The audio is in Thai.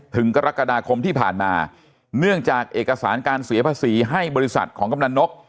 ถึงกรกฎาคมที่ผ่านมาเนื่องจากเอกสารการเสียภาษีให้บริษัทของกำลังนก